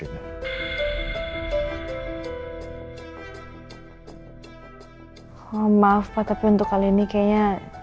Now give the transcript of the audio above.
maaf pak tapi untuk kali ini kayaknya